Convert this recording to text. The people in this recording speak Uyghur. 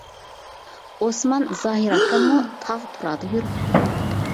ئوسمان زاھىر ئاكاممۇ، تاغ تۇرادا يۈرۈپتۇ.